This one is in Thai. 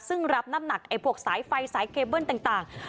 ซึ่งรับน้ำหนักพวกสายไฟสายเคเบิ้ลต่าง